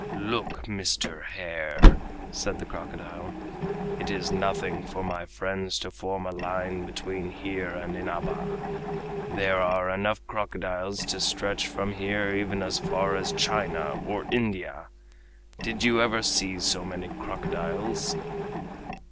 "Look, Mr. Hare!" said the crocodile, "it is nothing for my friends to form a line between here and Inaba. There are enough crocodiles to stretch from here even as far as China or India. Did you ever see so many crocodiles?"